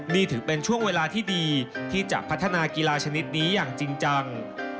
นี่ถือเป็นช่วงเวลาที่ดีที่จะพัฒนากีฬาชนิดนี้อย่างจริงจัง